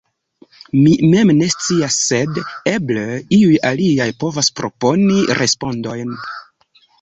Mi mem ne scias, sed eble iuj aliaj povas proponi respondojn.